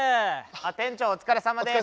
あ店長お疲れさまです。